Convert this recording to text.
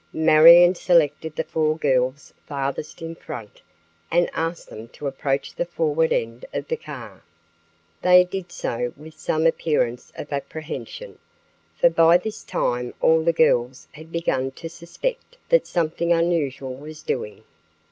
Marion selected the four girls farthest in front and asked them to approach the forward end of the car. They did so with some appearance of apprehension, for by this time all the girls had begun to suspect that something unusual was doing.